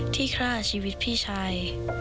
ที่ฆ่าชีวิตพี่ชาย